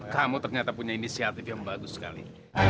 kamu ternyata punya inisiatif yang bagus sekali